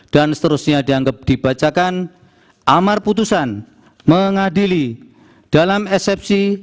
dan seterusnya dianggap dibacakan amar putusan mengadili dalam sfc